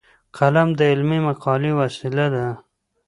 قلم د علمي مقالې وسیله ده